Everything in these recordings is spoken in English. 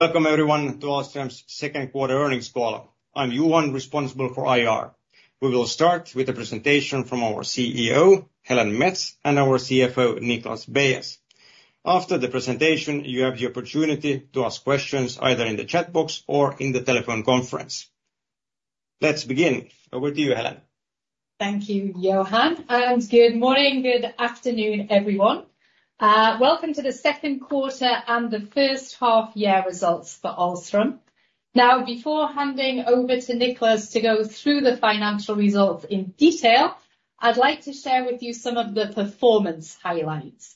Welcome everyone to Ahlstrom's Second Quarter Earnings Call. I'm Johan, responsible for IR. We will start with a presentation from our CEO, Helen Mets, and our CFO, Niklas Beyes. After the presentation, you have the opportunity to ask questions either in the chat box or in the telephone conference. Let's begin. Over to you, Helen. Thank you, Johan. Good morning, good afternoon, everyone. Welcome to the Second Quarter and the First Half-Year Results for Ahlstrom. Now, before handing over to Niklas to go through the financial results in detail, I'd like to share with you some of the performance highlights.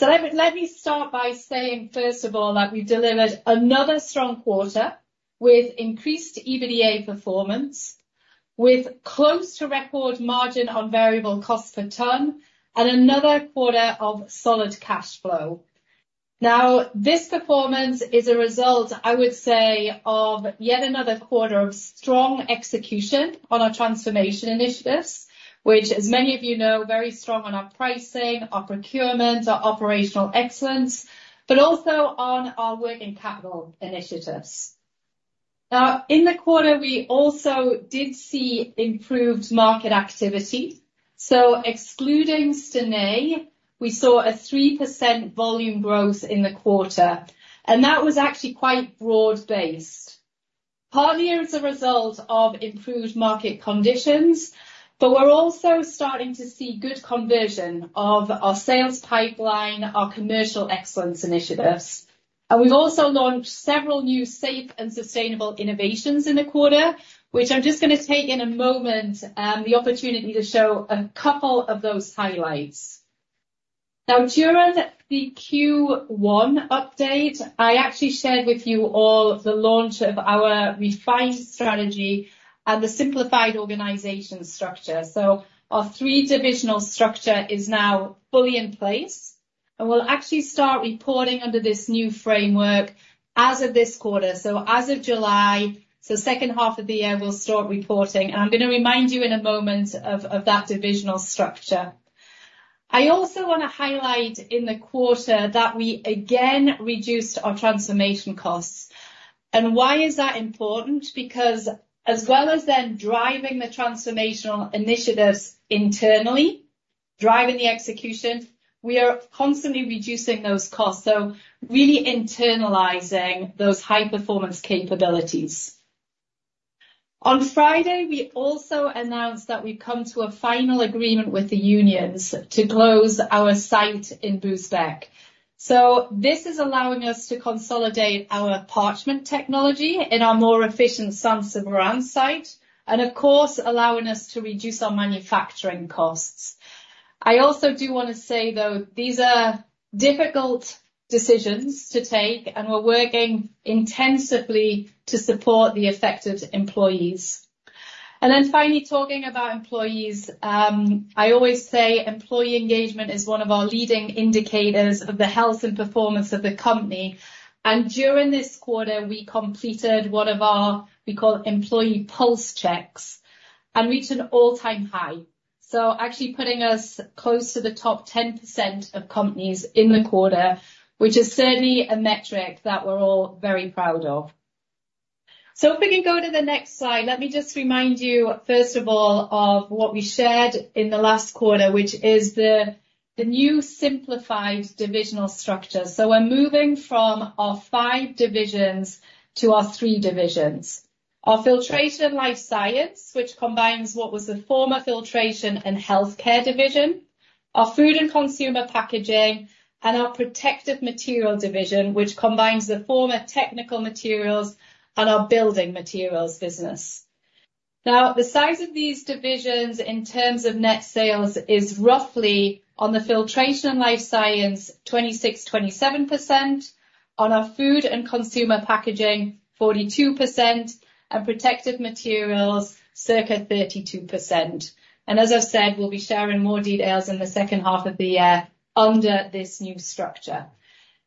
So let me start by saying, first of all, that we've delivered another strong quarter with increased EBITDA performance, with close-to-record margin on variable cost per ton, and another quarter of solid cash flow. Now, this performance is a result, I would say, of yet another quarter of strong execution on our transformation initiatives, which, as many of you know, are very strong on our pricing, our procurement, our operational excellence, but also on our working capital initiatives. Now, in the quarter, we also did see improved market activity. So, excluding Stenay, we saw a 3% volume growth in the quarter, and that was actually quite broad-based. Partly as a result of improved market conditions, but we're also starting to see good conversion of our sales pipeline, our commercial excellence initiatives. And we've also launched several new safe and sustainable innovations in the quarter, which I'm just going to take in a moment the opportunity to show a couple of those highlights. Now, during the Q1 update, I actually shared with you all the launch of our refined strategy and the simplified organization structure. So, our three-divisional structure is now fully in place, and we'll actually start reporting under this new framework as of this quarter. So, as of July, so second half of the year, we'll start reporting, and I'm going to remind you in a moment of that divisional structure.I also want to highlight in the quarter that we again reduced our transformation costs. Why is that important? Because, as well as then driving the transformational initiatives internally, driving the execution, we are constantly reducing those costs, so really internalizing those high-performance capabilities. On Friday, we also announced that we've come to a final agreement with the unions to close our site in Bousbecque. This is allowing us to consolidate our parchment technology in our more efficient Saint-Séverin site, and of course, allowing us to reduce our manufacturing costs. I also do want to say, though, these are difficult decisions to take, and we're working intensively to support the affected employees. Then finally, talking about employees, I always say employee engagement is one of our leading indicators of the health and performance of the company. During this quarter, we completed one of our, we call it employee pulse checks, and reached an all-time high. Actually putting us close to the top 10% of companies in the quarter, which is certainly a metric that we're all very proud of. If we can go to the next slide, let me just remind you, first of all, of what we shared in the last quarter, which is the new simplified divisional structure. We're moving from our five divisions to our three divisions: our Filtration and Life Science, which combines what was the former Filtration and Healthcare division, our Food and Consumer Packaging, and our Protective Materials division, which combines the former Technical Materials and our Building Materials business. Now, the size of these divisions in terms of net sales is roughly, on the filtration and life science, 26%-27%; on our food and consumer packaging, 42%; and protective materials, circa 32%. And as I've said, we'll be sharing more details in the second half of the year under this new structure.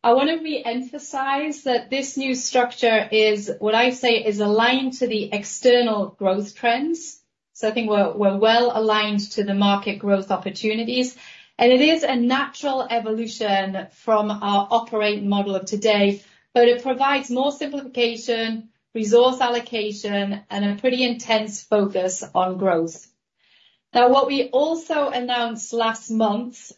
I want to re-emphasize that this new structure is, what I say, is aligned to the external growth trends. So, I think we're well aligned to the market growth opportunities, and it is a natural evolution from our operating model of today, but it provides more simplification, resource allocation, and a pretty intense focus on growth. Now, what we also announced last month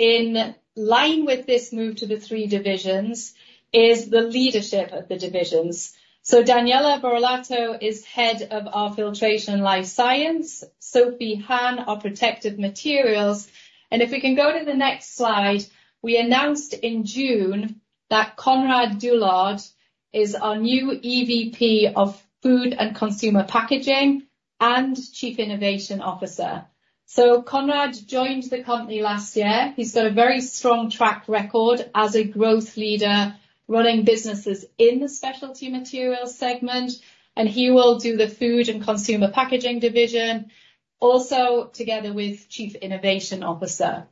in line with this move to the three divisions is the leadership of the divisions. So, Daniele Borlatto is head of our filtration and life science; Sophie Haan of protective materials. If we can go to the next slide, we announced in June that Konraad Dullaert is our new EVP of food and consumer packaging and Chief Innovation Officer. So, Konraad joined the company last year. He's got a very strong track record as a growth leader running businesses in the specialty materials segment, and he will do the food and consumer packaging division, also together with Chief Innovation Officer.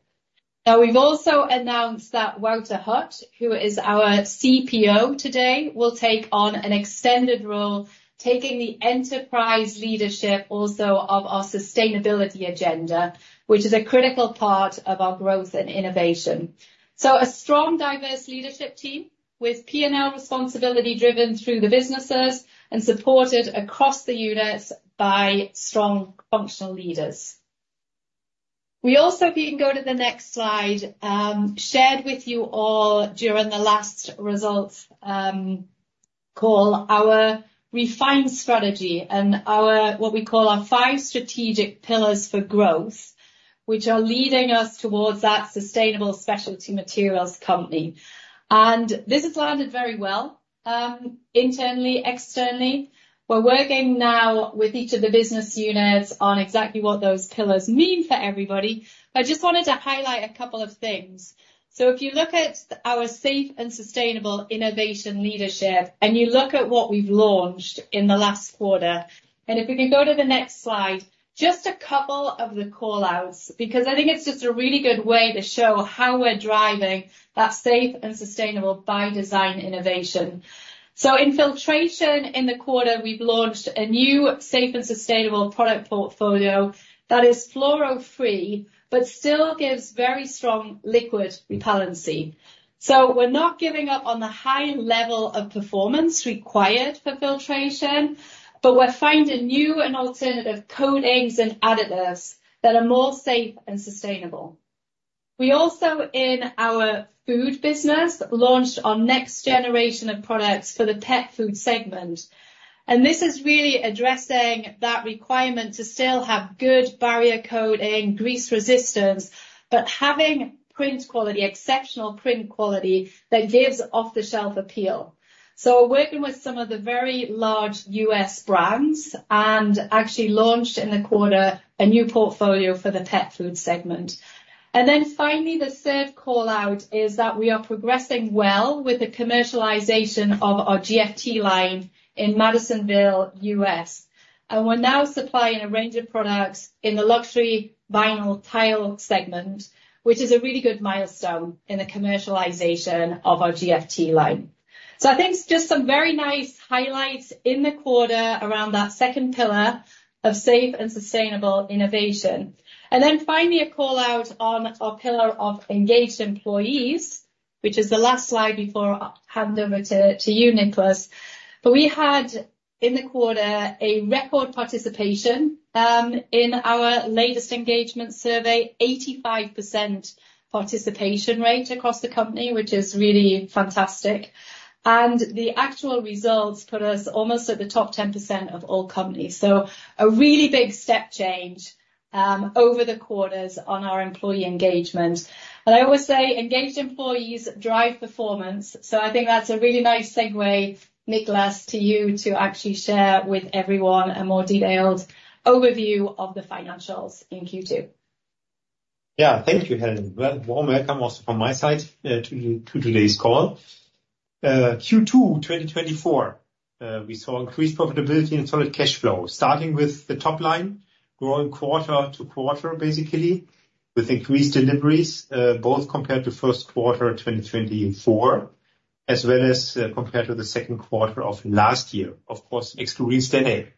Now, we've also announced that Wouter Hut, who is our CPO today, will take on an extended role, taking the enterprise leadership also of our sustainability agenda, which is a critical part of our growth and innovation. So, a strong, diverse leadership team with P&L responsibility driven through the businesses and supported across the units by strong functional leaders. We also, if we can go to the next slide, shared with you all during the last results call, our refined strategy and our what we call our five strategic pillars for growth, which are leading us towards that sustainable specialty materials company. This has landed very well internally, externally. We're working now with each of the business units on exactly what those pillars mean for everybody. I just wanted to highlight a couple of things. If you look at our safe and sustainable innovation leadership and you look at what we've launched in the last quarter, and if we can go to the next slide, just a couple of the callouts, because I think it's just a really good way to show how we're driving that safe and sustainable by design innovation. So, in filtration in the quarter, we've launched a new safe and sustainable product portfolio that is fluoro-free, but still gives very strong liquid repellency. So, we're not giving up on the high level of performance required for filtration, but we're finding new and alternative coatings and additives that are more safe and sustainable. We also, in our food business, launched our next generation of products for the pet food segment, and this is really addressing that requirement to still have good barrier coating, grease resistance, but having print quality, exceptional print quality that gives off-the-shelf appeal. So, we're working with some of the very large US brands and actually launched in the quarter a new portfolio for the pet food segment. Then finally, the third callout is that we are progressing well with the commercialization of our GFT line in Madisonville, U.S., and we're now supplying a range of products in the luxury vinyl tile segment, which is a really good milestone in the commercialization of our GFT line. So, I think just some very nice highlights in the quarter around that second pillar of safe and sustainable innovation. Then finally, a callout on our pillar of engaged employees, which is the last slide before I hand over to you, Niklas. But we had, in the quarter, a record participation in our latest engagement survey, 85% participation rate across the company, which is really fantastic. And the actual results put us almost at the top 10% of all companies. So, a really big step change over the quarters on our employee engagement.I always say engaged employees drive performance. I think that's a really nice segue, Niklas, to you to actually share with everyone a more detailed overview of the financials in Q2. Yeah, thank you, Helen. Warm welcome also from my side to today's call. Q2 2024, we saw increased profitability and solid cash flow, starting with the top line, growing quarter to quarter, basically, with increased deliveries, both compared to first quarter 2024, as well as compared to the second quarter of last year. Of course, excluding Stenay.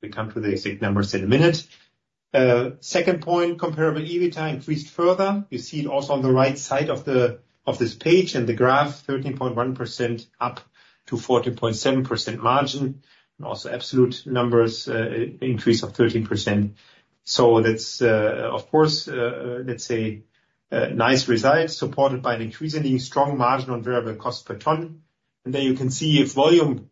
We come to the exact numbers in a minute. Second point, Comparable EBITDA increased further. You see it also on the right side of this page and the graph, 13.1% up to 14.7% margin, and also absolute numbers, increase of 13%. So, that's, of course, let's say, nice results, supported by an increasingly strong margin on variable cost per ton. And there you can see if volume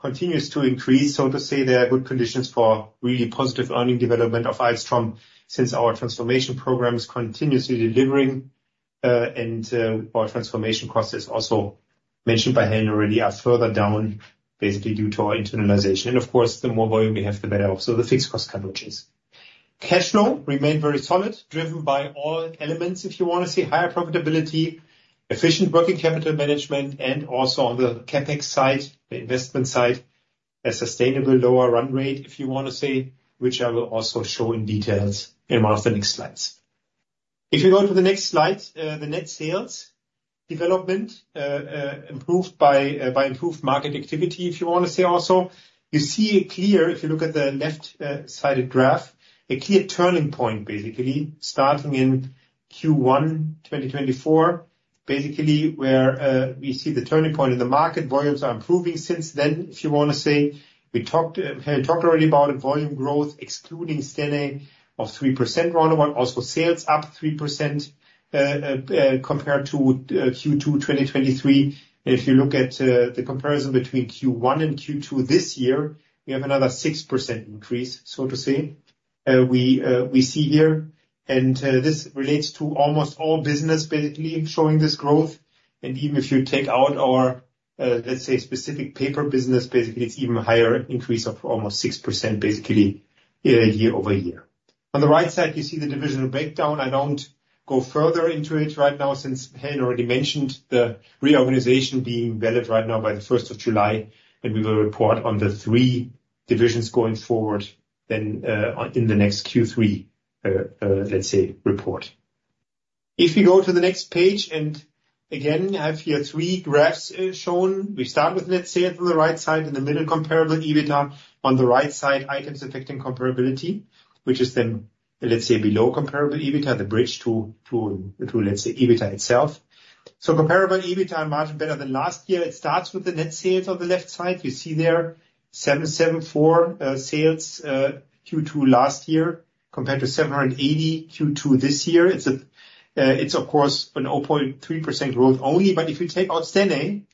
continues to increase, so to say, there are good conditions for really positive earning development of Ahlstrom since our transformation programs continuously delivering. Our transformation cost is also mentioned by Helen already, are further down, basically due to our internalization. Of course, the more volume we have, the better, also the fixed cost coverages. Cash flow remained very solid, driven by all elements, if you want to see higher profitability, efficient working capital management, and also on the CapEx side, the investment side, a sustainable lower run rate, if you want to say, which I will also show in details in one of the next slides. If you go to the next slide, the net sales development improved by improved market activity, if you want to say also. You see it clear, if you look at the left-sided graph, a clear turning point, basically, starting in Q1 2024, basically where we see the turning point in the market, volumes are improving since then, if you want to say. We talked already about volume growth, excluding Stenay, of 3% roundabout, also sales up 3% compared to Q2 2023. If you look at the comparison between Q1 and Q2 this year, we have another 6% increase, so to say, we see here. This relates to almost all business, basically, showing this growth. Even if you take out our, let's say, specific paper business, basically, it's even higher increase of almost 6%, basically, year over year. On the right side, you see the divisional breakdown. I don't go further into it right now since Helen already mentioned the reorganization being valid right now by the 1st of July, and we will report on the three divisions going forward then in the next Q3, let's say, report. If you go to the next page, and again, I have here three graphs shown. We start with net sales on the right side, in the middle, comparable EBITDA. On the right side, items affecting comparability, which is then, let's say, below comparable EBITDA, the bridge to, let's say, EBITDA itself. So, comparable EBITDA and margin better than last year. It starts with the net sales on the left side. You see there, 774 million sales Q2 last year compared to 780 million Q2 this year. It's, of course, a 0.3% growth only, but if you take out Stenay,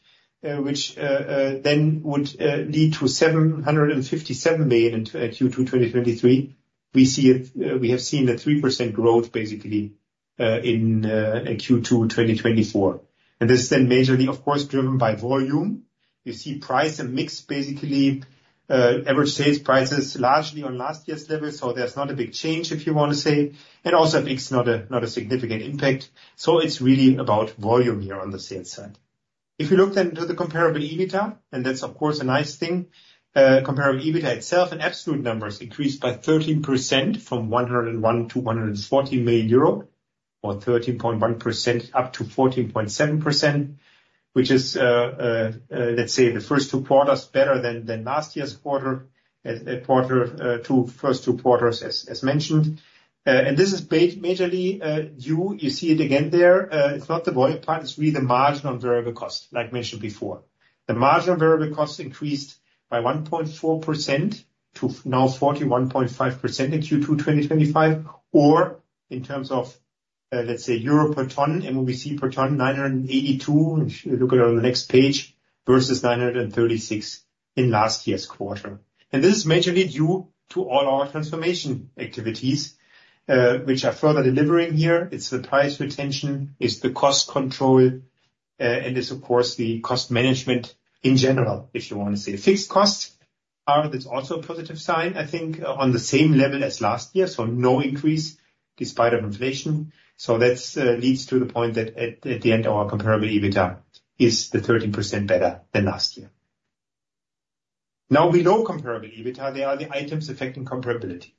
which then would lead to 757 million in Q2 2023, we have seen a 3% growth, basically, in Q2 2024. And this is then majorly, of course, driven by volume. You see price and mix, basically, average sales prices largely on last year's level, so there's not a big change, if you want to say, and also a big not a significant impact. So, it's really about volume here on the sales side. If you look then to the Comparable EBITDA, and that's, of course, a nice thing, Comparable EBITDA itself and absolute numbers increased by 13% from 101 million-140 million euro, or 13.1%-14.7%, which is, let's say, the first two quarters better than last year's quarter, quarter to first two quarters, as mentioned. And this is majorly due, you see it again there, it's not the volume part, it's really the margin on variable cost, like mentioned before. The margin on variable cost increased by 1.4% to now 41.5% in Q2 2025, or in terms of, let's say, Euro per ton and we see per ton 982, if you look at it on the next page, versus 936 in last year's quarter. And this is majorly due to all our transformation activities, which are further delivering here. It's the price retention, it's the cost control, and it's, of course, the cost management in general, if you want to say. Fixed costs are also a positive sign, I think, on the same level as last year, so no increase despite of inflation. So, that leads to the point that at the end, our comparable EBITDA is the 13% better than last year. Now, below comparable EBITDA, there are the items affecting comparability.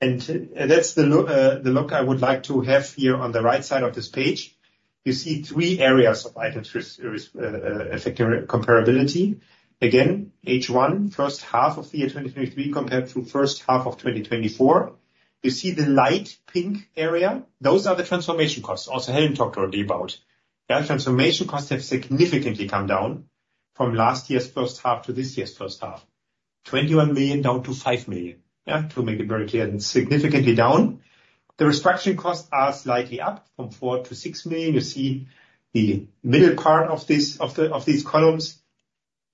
And that's the look I would like to have here on the right side of this page. You see three areas of items affecting comparability. Again, H1, first half of the year 2023 compared to first half of 2024. You see the light pink area, those are the transformation costs, also Helen talked already about. Yeah, transformation costs have significantly come down from last year's first half to this year's first half, 21 million down to 5 million. Yeah, to make it very clear, significantly down. The restructuring costs are slightly up from 4 million-6 million. You see the middle part of these columns,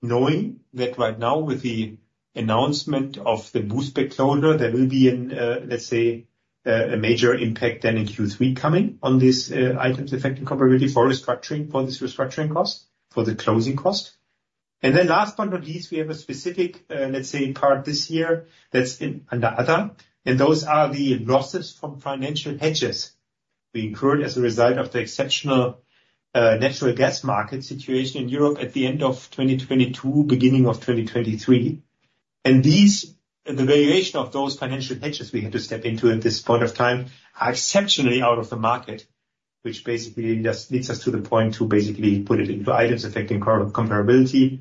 knowing that right now with the announcement of the Bousbecque closure, there will be an, let's say, a major impact then in Q3 coming on these items affecting comparability for restructuring, for this restructuring cost, for the closing cost. And then last but not least, we have a specific, let's say, part this year that's another, and those are the losses from financial hedges we incurred as a result of the exceptional natural gas market situation in Europe at the end of 2022, beginning of 2023. These, the variation of those financial hedges we had to step into at this point of time are exceptionally out of the market, which basically leads us to the point to basically put it into items affecting comparability.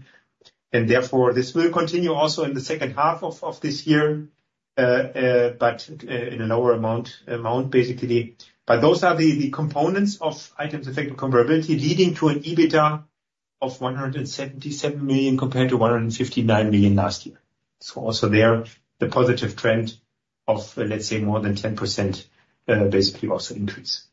Therefore, this will continue also in the second half of this year, but in a lower amount, basically. But those are the components of items affecting comparability leading to an EBITDA of 177 million compared to 159 million last year. So, also there, the positive trend of, let's say, more than 10% basically also increase.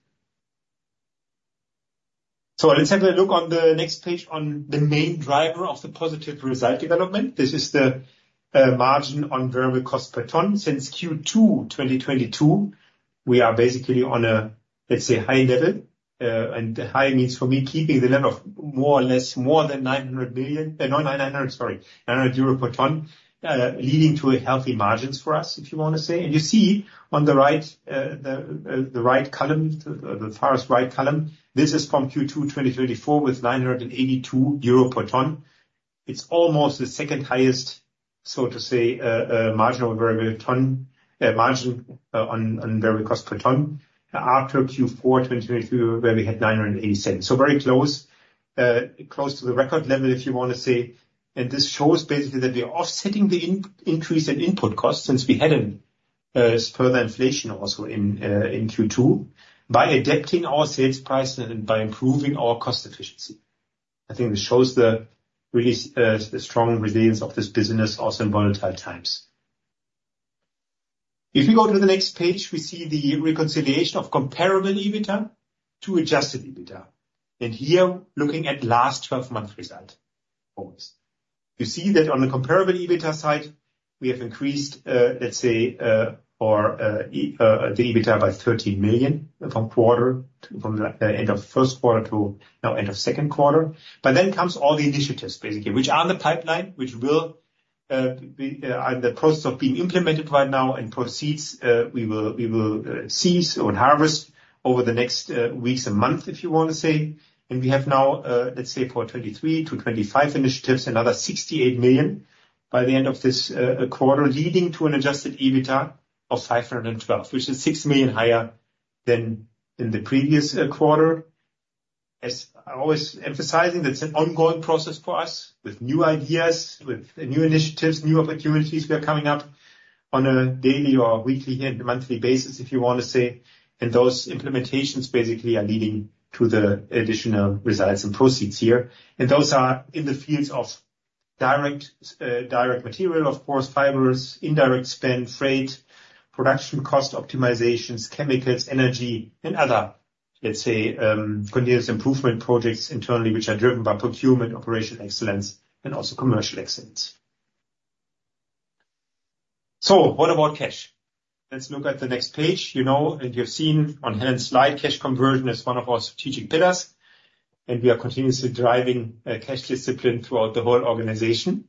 So, let's have a look on the next page on the main driver of the positive result development. This is the margin on variable cost per ton. Since Q2 2022, we are basically on a, let's say, high level. And high means for me keeping the level of more or less more than 900 million, no, 900, sorry, 900 euro per ton, leading to healthy margins for us, if you want to say. And you see on the right, the right column, the far right column, this is from Q2 2024 with 982 euro per ton. It's almost the second highest, so to say, margin on variable ton, margin on variable cost per ton after Q4 2022, where we had 987. So, very close, close to the record level, if you want to say. And this shows basically that we are offsetting the increase in input costs since we had further inflation also in Q2 by adapting our sales price and by improving our cost efficiency. I think this shows the really strong resilience of this business also in volatile times. If you go to the next page, we see the reconciliation of comparable EBITDA to adjusted EBITDA. Here, looking at last 12-month result, you see that on the comparable EBITDA side, we have increased, let's say, for the EBITDA by 13 million from quarter, from the end of first quarter to now end of second quarter. But then comes all the initiatives, basically, which are on the pipeline, which will be in the process of being implemented right now and proceeds. We will see on harvest over the next weeks and months, if you want to say. And we have now, let's say, for 23-25 initiatives, another 68 million by the end of this quarter, leading to an adjusted EBITDA of 512 million, which is 6 million higher than in the previous quarter. As I always emphasize, that's an ongoing process for us with new ideas, with new initiatives, new opportunities. We are coming up on a daily or weekly and monthly basis, if you want to say. Those implementations basically are leading to the additional results and proceeds here. Those are in the fields of direct material, of course, fibers, indirect spend, freight, production cost optimizations, chemicals, energy, and other, let's say, continuous improvement projects internally, which are driven by procurement, operational excellence, and also commercial excellence. So, what about cash? Let's look at the next page. You know, and you've seen on Helen's slide, cash conversion is one of our strategic pillars. We are continuously driving cash discipline throughout the whole organization.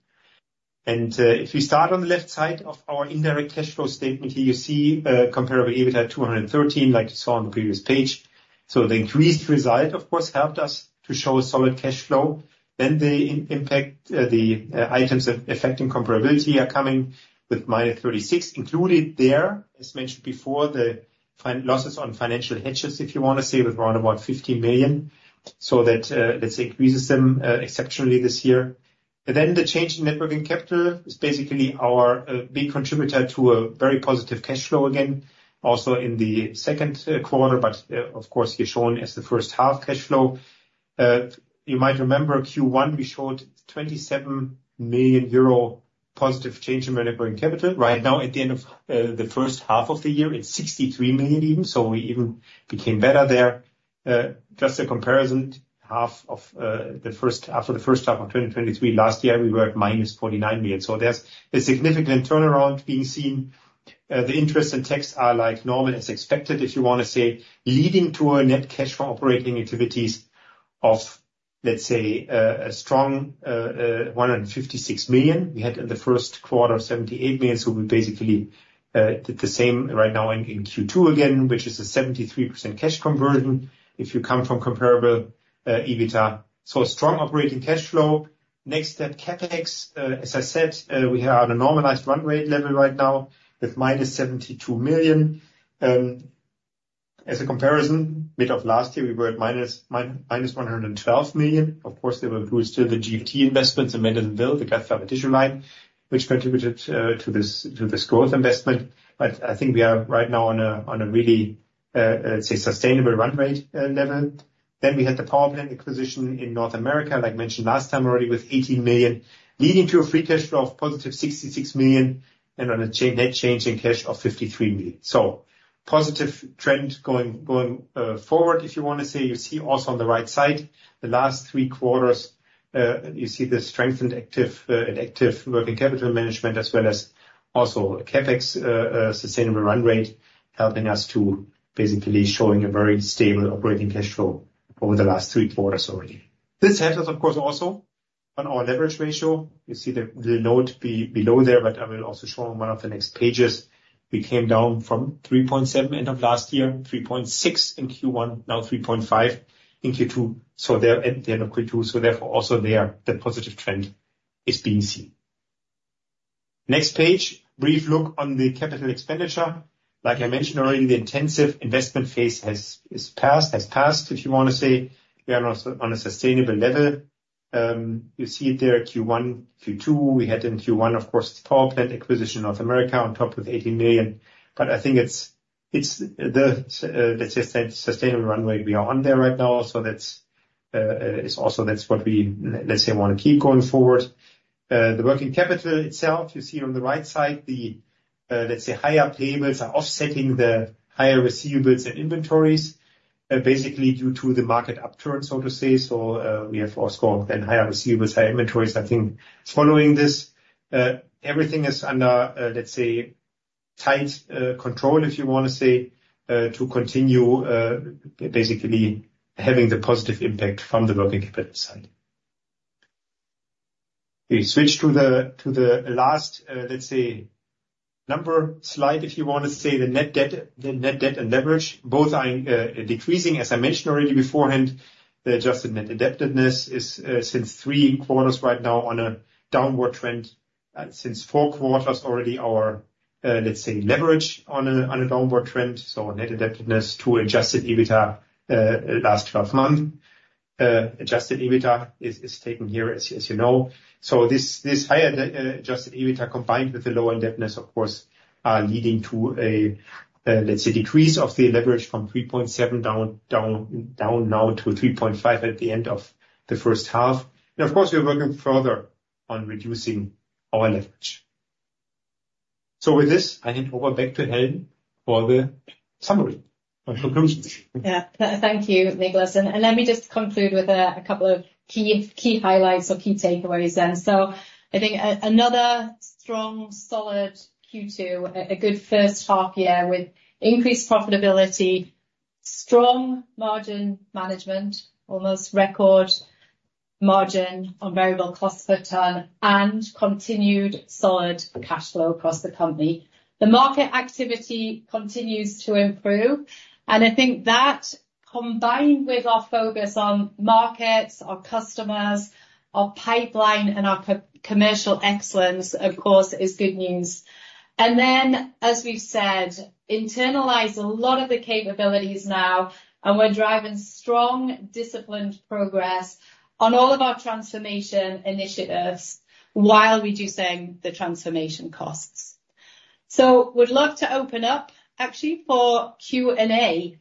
If you start on the left side of our indirect cash flow statement here, you see Comparable EBITDA 213, like you saw on the previous page. So, the increased result, of course, helped us to show solid cash flow. Then the impact, the items affecting comparability are coming with -36 included there. As mentioned before, the losses on financial hedges, if you want to say, with around about 15 million. So that, let's say, increases them exceptionally this year. Then the change in working capital is basically our big contributor to a very positive cash flow again, also in the second quarter, but of course, you're shown as the first half cash flow. You might remember Q1, we showed 27 million euro positive change in working capital right now at the end of the first half of the year in 63 million even. So, we even became better there. Just a comparison, first half of 2023 last year, we were at -49 million. So, there's a significant turnaround being seen. The interest and tax are like normal, as expected, if you want to say, leading to a net cash from operating activities of, let's say, a strong 156 million. We had in the first quarter 78 million. So, we basically did the same right now in Q2 again, which is a 73% cash conversion if you come from comparable EBITDA. So, strong operating cash flow. Next step, CapEx, as I said, we have a normalized run rate level right now with -72 million. As a comparison, mid of last year, we were at -112 million. Of course, there were still the GFT investments and Madisonville, the GFA additional line, which contributed to this growth investment. But I think we are right now on a really, let's say, sustainable run rate level. Then we had the power plant acquisition in North America, like mentioned last time already, with 18 million, leading to a free cash flow of positive 66 million and on a net change in cash of 53 million. So, positive trend going forward, if you want to say. You see also on the right side, the last three quarters, you see the strengthened active and active working capital management, as well as also CapEx sustainable run rate, helping us to basically showing a very stable operating cash flow over the last three quarters already. This helps us, of course, also on our leverage ratio. You see the note below there, but I will also show on one of the next pages. We came down from 3.7 end of last year, 3.6 in Q1, now 3.5 in Q2. So, there at the end of Q2, so therefore also there, the positive trend is being seen. Next page, brief look on the capital expenditure. Like I mentioned already, the intensive investment phase has passed, if you want to say, we are on a sustainable level. You see it there, Q1, Q2, we had in Q1, of course, the power plant acquisition of America on top with 18 million. But I think it's the, let's say, sustainable run rate we are on there right now. So, that's also, that's what we, let's say, want to keep going forward. The working capital itself, you see on the right side, the, let's say, higher payables are offsetting the higher receivables and inventories, basically due to the market upturn, so to say. So, we have of course got then higher receivables, higher inventories, I think, following this. Everything is under, let's say, tight control, if you want to say, to continue basically having the positive impact from the working capital side. We switch to the last, let's say, number slide, if you want to say, the net debt and leverage, both are decreasing, as I mentioned already beforehand. The adjusted net debt is since three quarters right now on a downward trend. Since four quarters already, our, let's say, leverage on a downward trend. So, net debt to adjusted EBITDA last 12 months. Adjusted EBITDA is taken here, as you know. So, this higher adjusted EBITDA combined with the lower indebtedness, of course, are leading to a, let's say, decrease of the leverage from 3.7 down now to 3.5 at the end of the first half. And of course, we're working further on reducing our leverage. So, with this, I hand over back to Helen for the summary and conclusions. Yeah, thank you, Niklas. And let me just conclude with a couple of key highlights or key takeaways then. So, I think another strong, solid Q2, a good first half year with increased profitability, strong margin management, almost record margin on variable cost per ton, and continued solid cash flow across the company. The market activity continues to improve. And I think that combined with our focus on markets, our customers, our pipeline, and our commercial excellence, of course, is good news. And then, as we've said, internalize a lot of the capabilities now, and we're driving strong, disciplined progress on all of our transformation initiatives while reducing the transformation costs. So, we'd love to open up actually for Q&A.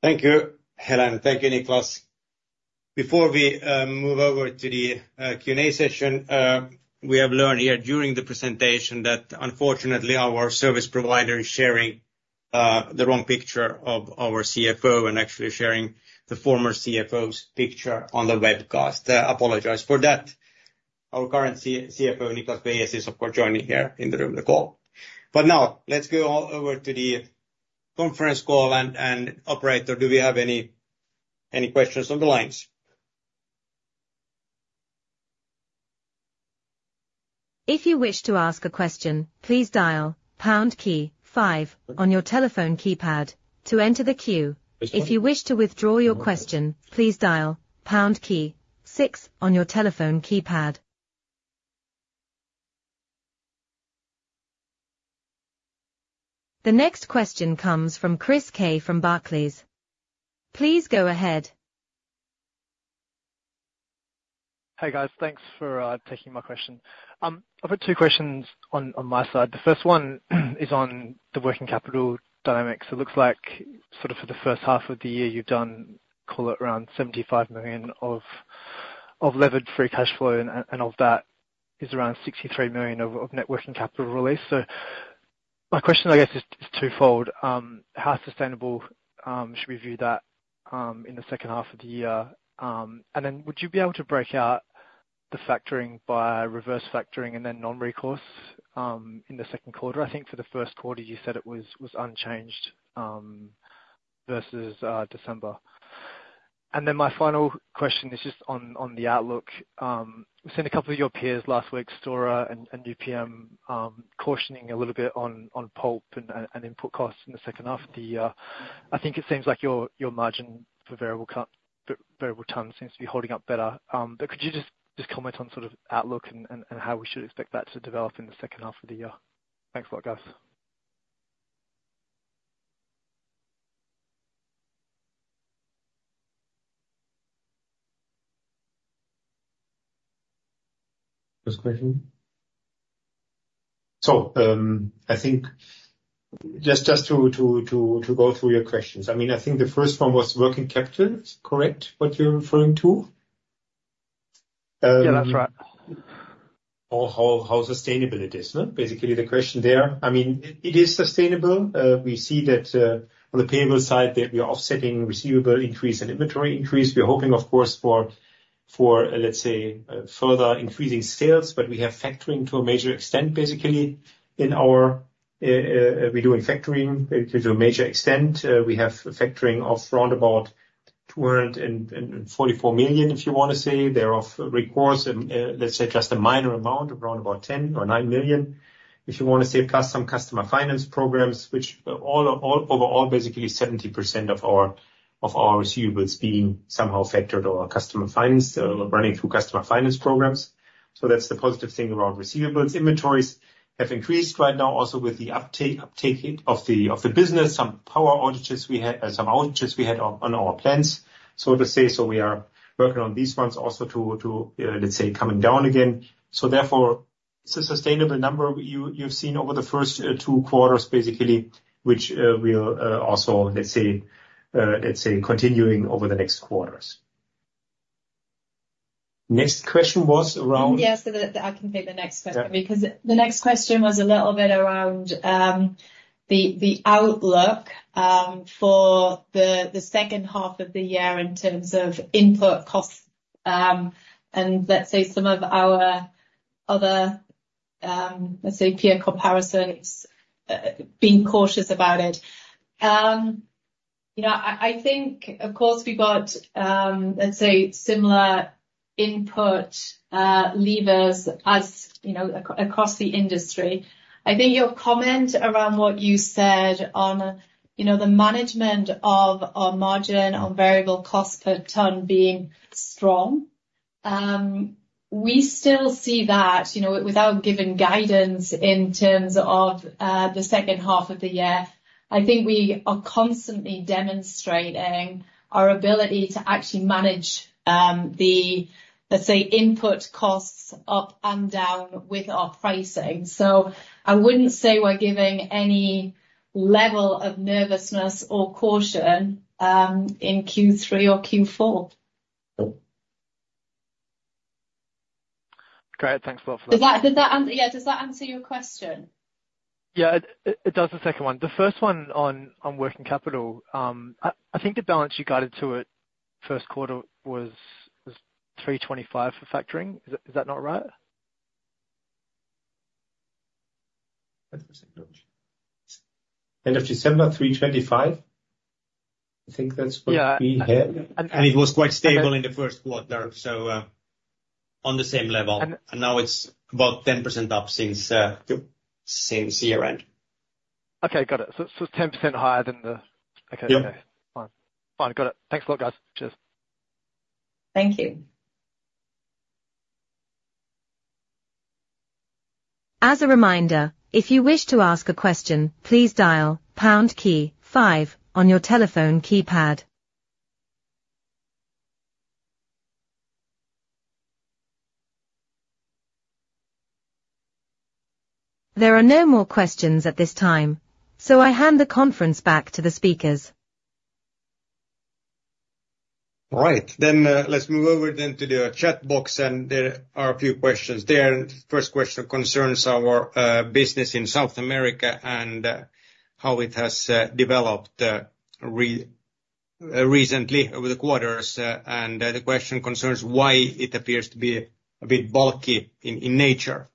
Thank you, Helen. Thank you, Niklas.Before we move over to the Q&A session, we have learned here during the presentation that unfortunately our service provider is sharing the wrong picture of our CFO and actually sharing the former CFO's picture on the webcast. I apologize for that. Our current CFO, Niklas Beyes, is of course joining here in the room, the call. But now let's go over to the conference call and operator. Do we have any questions on the lines? If you wish to ask a question, please dial pound key five on your telephone keypad to enter the queue. If you wish to withdraw your question, please dial pound key six on your telephone keypad. The next question comes from Chris K from Barclays.Please go ahead. Hi guys, thanks for taking my question. I've got two questions on my side. The first one is on the working capital dynamics.It looks like sort of for the first half of the year you've done, call it around 75 million of levered free cash flow, and of that is around 63 million of working capital release. So, my question I guess is twofold. How sustainable should we view that in the second half of the year? And then would you be able to break out the factoring by reverse factoring and then non-recourse in the second quarter? I think for the first quarter you said it was unchanged versus December. And then my final question is just on the outlook. We've seen a couple of your peers last week, Stora and UPM, cautioning a little bit on pulp and input costs in the second half of the year. I think it seems like your margin for variable tons seems to be holding up better. But could you just comment on sort of outlook and how we should expect that to develop in the second half of the year? Thanks a lot, guys. First question. So, I think just to go through your questions, I mean, I think the first one was working capital, correct? What you're referring to? Yeah, that's right. Or how sustainable it is, no? Basically the question there. I mean, it is sustainable. We see that on the payable side that we are offsetting receivable increase and inventory increase. We're hoping, of course, for, let's say, further increasing sales, but we have factoring to a major extent, basically, in our we do in factoring to a major extent. We have factoring of around 244 million, if you want to say, thereof recourse, let's say, just a minor amount of around 10 million or 9 million, if you want to say, plus some customer finance programs, which all overall, basically 70% of our receivables being somehow factored or customer financed or running through customer finance programs. So, that's the positive thing around receivables. Inventories have increased right now, also with the uptake of the business, some power audits we had, some audits we had on our plans, so to say. So, we are working on these ones also to, let's say, coming down again. So, therefore, it's a sustainable number you've seen over the first two quarters, basically, which we'll also, let's say, continuing over the next quarters. Next question was around. Yes, I can take the next question because the next question was a little bit around the outlook for the second half of the year in terms of input costs and, let's say, some of our other, let's say, peer comparisons, being cautious about it. I think, of course, we got, let's say, similar input levers across the industry. I think your comment around what you said on the management of our margin on variable cost per ton being strong, we still see that without giving guidance in terms of the second half of the year. I think we are constantly demonstrating our ability to actually manage the, let's say, input costs up and down with our pricing. So, I wouldn't say we're giving any level of nervousness or caution in Q3 or Q4. Great. Thanks a lot for that. Does that answer your question? Yeah, it does the second one. The first one on working capital, I think the balance you guided to it first quarter was 325 for factoring. Is that not right? End of December, 325. I think that's what we had. It was quite stable in the first quarter, so on the same level. Now it's about 10% up since year-end. Okay, got it. So, it's 10% higher than the. Okay, okay. Fine. Fine. Got it. Thanks a lot, guys. Cheers. Thank you. As a reminder, if you wish to ask a question, please dial pound key five on your telephone keypad. There are no more questions at this time, so I hand the conference back to the speakers. All right. Then let's move over then to the chat box, and there are a few questions there. First question concerns our business in South America and how it has developed recently over the quarters. The question concerns why it appears to be a bit bulky in nature.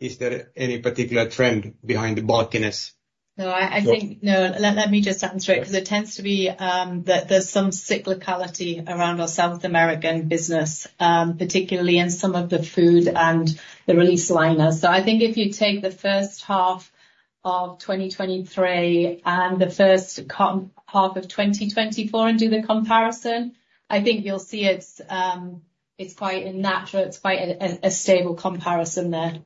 Is there any particular trend behind the bulkiness? No, I think no. Let me just answer it because it tends to be that there's some cyclicality around our South American business, particularly in some of the food and the release liners. So, I think if you take the first half of 2023 and the first half of 2024 and do the comparison, I think you'll see it's quite a natural, it's quite a stable comparison there.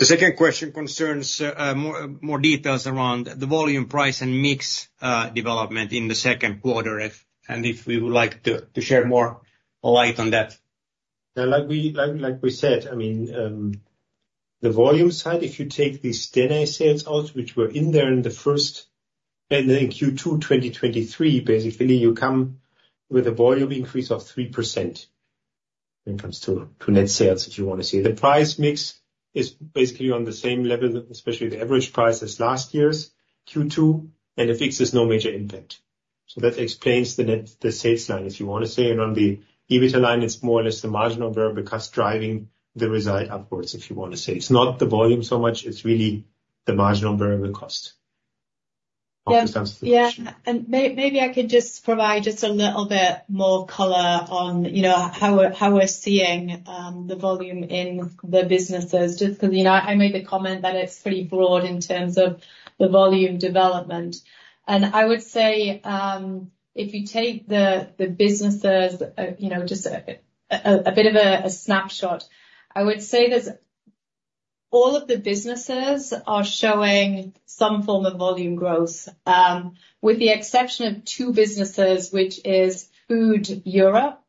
The second question concerns more details around the volume price and mix development in the second quarter, and if we would like to share more light on that. Like we said, I mean, the volume side, if you take these 10A sales out, which were in there in the first, and then Q2 2023, basically you come with a volume increase of 3% when it comes to net sales, if you want to say. The price mix is basically on the same level, especially the average price as last year's Q2, and it fixes no major impact. So, that explains the sales line, if you want to say, and on the EBITDA line, it's more or less the margin on variable cost driving the result upwards, if you want to say. It's not the volume so much, it's really the margin on variable cost. Hope this answers the question. Yeah.Maybe I could just provide just a little bit more color on how we're seeing the volume in the businesses, just because I made the comment that it's pretty broad in terms of the volume development. And I would say if you take the businesses just a bit of a snapshot, I would say that all of the businesses are showing some form of volume growth, with the exception of two businesses, which is Food Europe,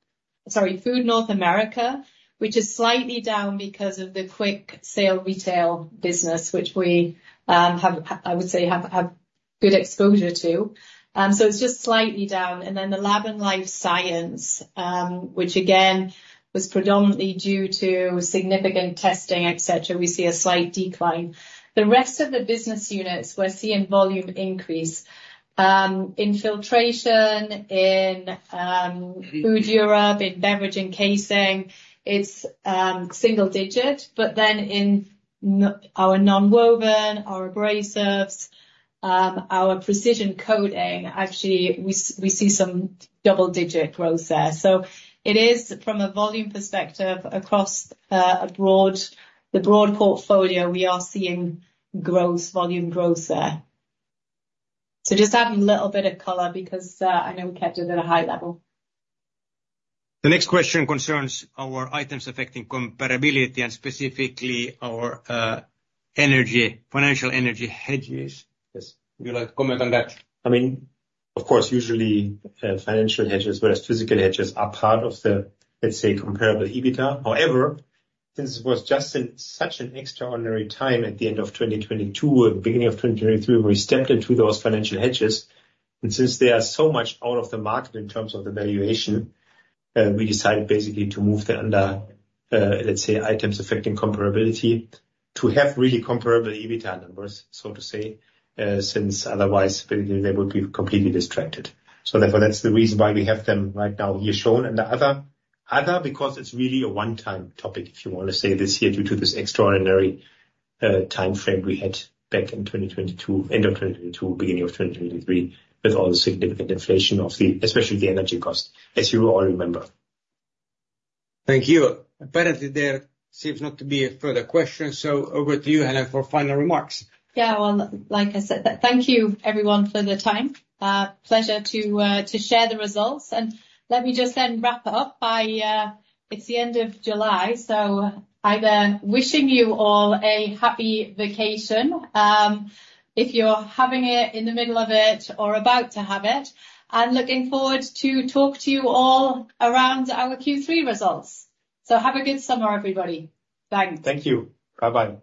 sorry, Food North America, which is slightly down because of the quick service retail business, which we, I would say, have good exposure to. So, it's just slightly down. And then the lab and life science, which again was predominantly due to significant testing, etc., we see a slight decline. The rest of the business units, we're seeing volume increase. Filtration in Food Europe, in Beverage & Casing, it's single digit, but then in our non-woven, our abrasives, our precision coating, actually we see some double digit growth there. So, it is from a volume perspective across the broad portfolio, we are seeing growth, volume growth there. So, just adding a little bit of color because I know we kept it at a high level. The next question concerns our items affecting comparability and specifically our energy, financial energy hedges. Yes, would you like to comment on that? I mean, of course, usually financial hedges versus physical hedges are part of the, let's say, Comparable EBITDA. However, since it was just in such an extraordinary time at the end of 2022 or the beginning of 2023, we stepped into those financial hedges. And since they are so much out of the market in terms of the valuation, we decided basically to move the under, let's say, items affecting comparability to have really comparable EBITDA numbers, so to say, since otherwise they would be completely distracted. So, therefore, that's the reason why we have them right now here shown. And the other, because it's really a one-time topic, if you want to say this year, due to this extraordinary timeframe we had back in 2022, end of 2022, beginning of 2023, with all the significant inflation of the, especially the energy cost, as you all remember. Thank you. Apparently, there seems not to be a further question. So, over to you, Helen, for final remarks. Yeah, well, like I said, thank you everyone for the time. Pleasure to share the results. And let me just then wrap up by, it's the end of July, so I'm wishing you all a happy vacation, if you're having it in the middle of it or about to have it, and looking forward to talk to you all around our Q3 results. So, have a good summer, everybody. Thanks. Thank you. Bye-bye.